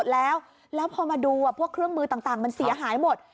แล้วพอมาดูพวกเครื่องมือต่างมันเสียหายหมด